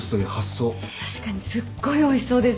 確かにすっごいおいしそうです。